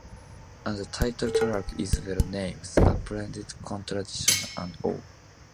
And the title track is well-named, apparent contradictions and all.